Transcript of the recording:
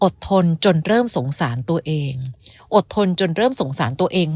ทนจนเริ่มสงสารตัวเองอดทนจนเริ่มสงสารตัวเอง